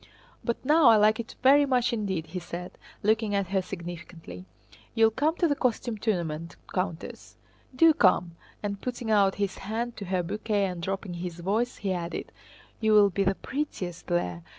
But now I like it very much indeed," he said, looking at her significantly. "You'll come to the costume tournament, Countess? Do come!" and putting out his hand to her bouquet and dropping his voice, he added, "You will be the prettiest there.